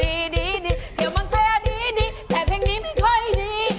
ดีพวกเราดีเทียบเมืองไทยดีแต่เพลงนี้ไม่ค่อยดี